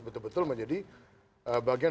betul betul menjadi bagian